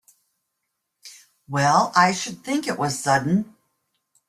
Well I should think it was sudden!